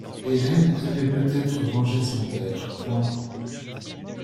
Hélène avait peut-être vengé son père.